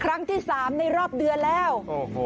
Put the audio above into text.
ครั้งที่สามในรอบเดือนแล้วโอ้โห